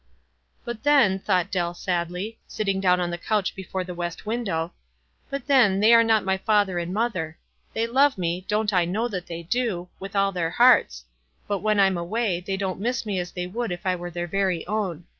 "But, then," thought Dell, sadly, sitting down on the couch before the west window — "but, then, they are not my father and mother. They love me — don't I know that they do — with all their hearts ; but when I*m away they don't miss me as they would if I were their very own.